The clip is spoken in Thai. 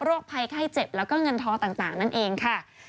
ภัยไข้เจ็บแล้วก็เงินทอต่างนั่นเองค่ะ